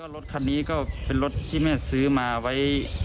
รถคันนี้ก็เป็นรถที่แม่ซื้อมาไว้